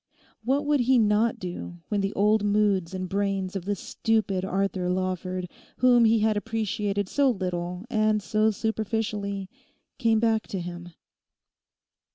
What would he not do when the old moods and brains of the stupid Arthur Lawford, whom he had appreciated so little and so superficially, came back to him.